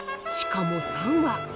しかも３羽。